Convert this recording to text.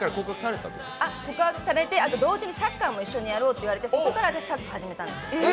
告白されて、あと同時にサッカーもやろうって言われて、そこから私、サッカー始めたんですよ。